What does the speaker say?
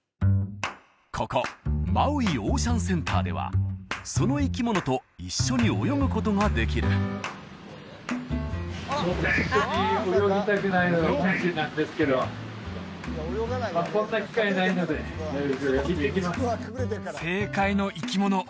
ここマウイ・オーシャン・センターではその生き物と一緒に泳ぐことができる正解の生き物